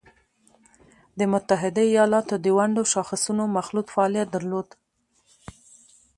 د متحده ایالاتو د ونډو شاخصونو مخلوط فعالیت درلود